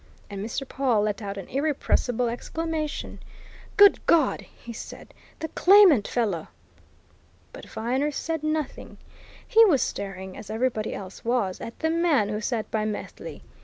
And Mr. Pawle let out an irrepressible exclamation. "Good God!" he said. "The claimant fellow!" But Viner said nothing. He was staring, as everybody else was, at the man who sat by Methley.